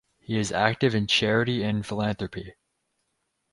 He is active in charity and philanthropy.